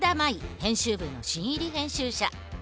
編集部の新入り編集者。